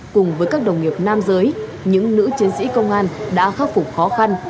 cùng với các đồng nghiệp nam giới những nữ chiến sĩ công an đã khắc phục khó khăn